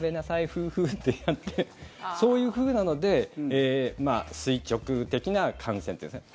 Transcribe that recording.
フーフーってやってそういうふうなので垂直的な感染というですね